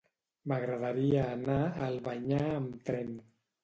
M'agradaria anar a Albanyà amb tren.